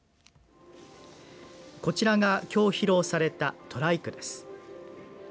こちらがきょう披露されたトライクです。